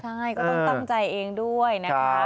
ใช่ก็ต้องตั้งใจเองด้วยนะคะ